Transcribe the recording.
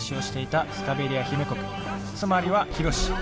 つまりはヒロシ。